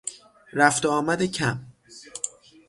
رفت و آمد کم